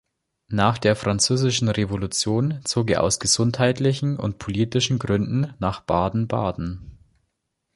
Nach der französischen Revolution zog er aus gesundheitlichen und politischen Gründen nach Baden-Baden.